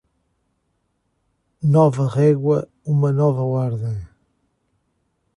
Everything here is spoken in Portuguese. Nova régua, uma nova ordem.